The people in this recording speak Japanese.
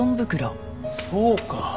そうか。